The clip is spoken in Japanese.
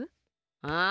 ああ？